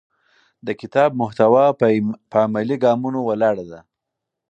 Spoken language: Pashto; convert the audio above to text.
د کتاب محتوا په عملي ګامونو ولاړه ده.